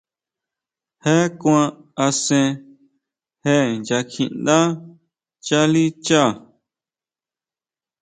Je kuan asén je nya kjiʼndá chalicha.